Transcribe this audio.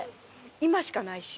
今しかないし。